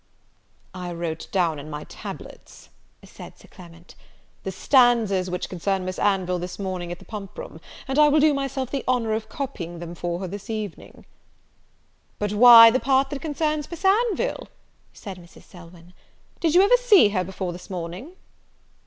"I wrote down in my tablets," said Sir Clement, "the stanzas which concern Miss Anville this morning at the pump room; and I will do myself the honour of copying them for her this evening." "But why the part that concerns Miss Anville?" said Mrs. Selwyn; "Did you ever see her before this morning?"